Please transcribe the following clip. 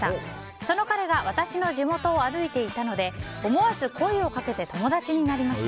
その彼が私の地元を歩いていたので思わず声をかけて友達になりました。